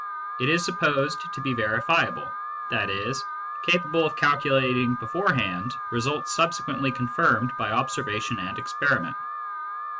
It is supposed to be verifiable, i.e. capable of calcu lating beforehand results subsequently confirmed by observation and experiment.